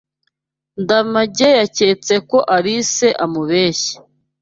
Ndamage yaketse ko Alice amubeshya.